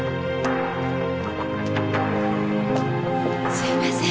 すいません。